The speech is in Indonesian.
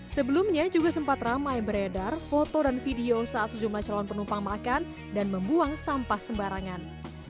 sebelumnya juga sempat ramai beredar foto dan video saat sejumlah calon penumpang makan dan membuang sampah sembarangan